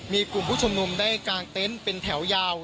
มีกลุ่มผู้ชมนุมได้กางเต็นต์เป็นแถวยาว